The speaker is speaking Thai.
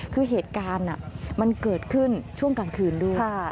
คือเหตุการณ์มันเกิดขึ้นช่วงกลางคืนด้วย